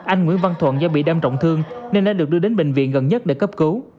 anh nguyễn văn thuận do bị đâm trọng thương nên đã được đưa đến bệnh viện gần nhất để cấp cứu